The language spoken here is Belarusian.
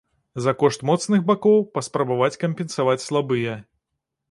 За кошт моцных бакоў паспрабаваць кампенсаваць слабыя.